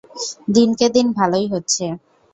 দিনকে দিন ভালোই হচ্ছে।